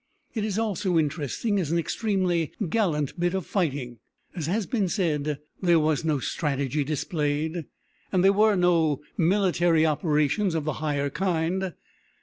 It is also interesting as an extremely gallant bit of fighting. As has been said, there was no strategy displayed, and there were no military operations of the higher kind.